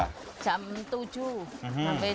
dari jam berapa sampai jam berapa